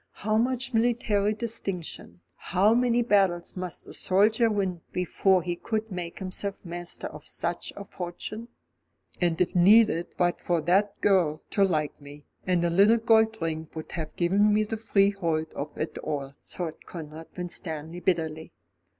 How much military distinction, how many battles must a soldier win before he could make himself master of such a fortune? "And it needed but for that girl to like me, and a little gold ring would have given me the freehold of it all," thought Conrad Winstanley bitterly.